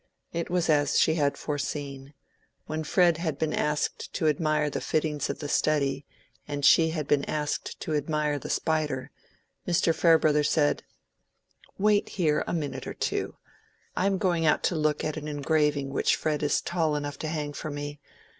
It was as she had foreseen: when Fred had been asked to admire the fittings of the study, and she had been asked to admire the spider, Mr. Farebrother said— "Wait here a minute or two. I am going to look out an engraving which Fred is tall enough to hang for me.